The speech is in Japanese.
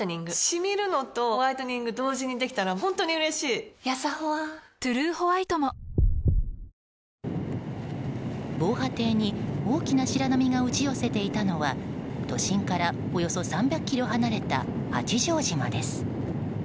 シミるのとホワイトニング同時にできたら本当に嬉しいやさホワ「トゥルーホワイト」も防波堤に大きな白波が打ち寄せていたのは都心からおよそ３００ｋｍ離れた父島です。